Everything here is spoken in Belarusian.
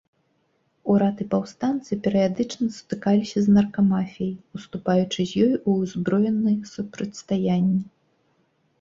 Урад і паўстанцы перыядычна сутыкаліся з наркамафіяй, уступаючы з ёй у ўзброены супрацьстаяння.